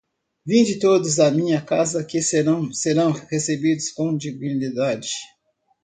vinde todos a minha casa que serão serão recebidos com dignidade